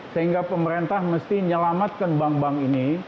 sehingga pemerintah mesti menyelamatkan bank bank ini